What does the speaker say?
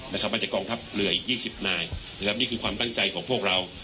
มาจากกรองท่าปเหลืออีกยี่สิบนายนี่คือความตั้งใจของพวกเรา